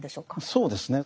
そうですね。